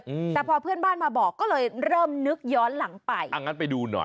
อืมแต่พอเพื่อนบ้านมาบอกก็เลยเริ่มนึกย้อนหลังไปอ่างั้นไปดูหน่อย